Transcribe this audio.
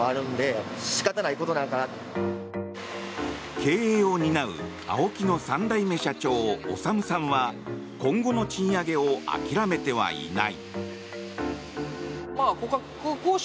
経営を担うアオキの３代目社長、理さんは今後の賃上げを諦めてはいない。